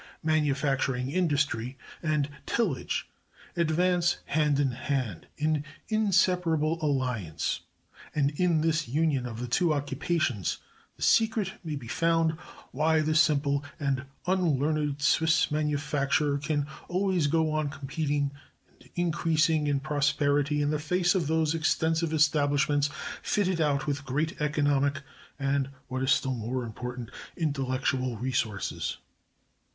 Manufacturing industry and tillage advance hand in hand, in inseparable alliance, and in this union of the two occupations the secret may be found why the simple and unlearned Swiss manufacturer can always go on competing and increasing in prosperity in the face of those extensive establishments fitted out with great economic and (what is still more important) intellectual resources.